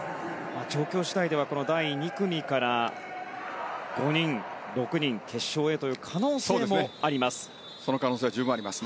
状況次第では第２組から５人、６人決勝へという可能性もあります。